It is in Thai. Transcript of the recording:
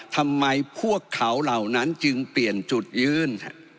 ทำไมพวกเขาเหล่านั้นจึงเปลี่ยนจุดยื่น